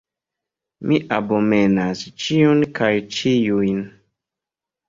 Mi abomenas ĉion kaj ĉiujn!